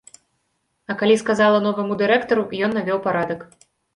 А калі сказала новаму дырэктару, ён навёў парадак.